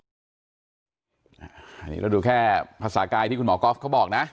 อันนี้เราดูแค่ภาษากายที่คุณหมอก๊อฟเขาบอกนะ